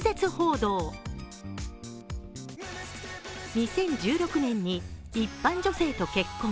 ２０１６年に一般女性と結婚。